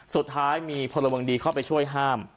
สุดท้ายมีพลเมืองดีเข้าไปช่วยห้าม